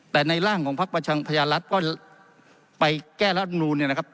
แต่ในร่างของพักประชารัฐก็ไปแก้รัฐมนูลเนี่ยนะครับ